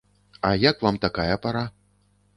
А як вам такая пара?